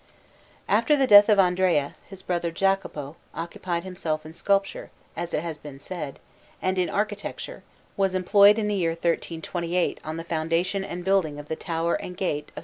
After the death of Andrea, his brother Jacopo, occupied himself in sculpture, as it has been said, and in architecture, was employed in the year 1328 on the foundation and building of the Tower and Gate of S.